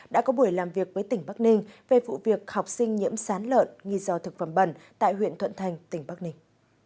đã có buổi làm việc với tỉnh bắc ninh về vụ việc học sinh nhiễm sán lợn nghi do thực phẩm bẩn tại huyện thuận thành tỉnh bắc ninh